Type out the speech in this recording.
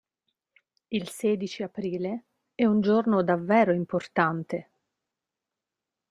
Il sedici Aprile è un giorno davvero importante.